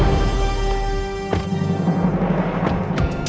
aku mau ke tempat kamu